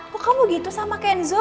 kok kamu gitu sama kenzo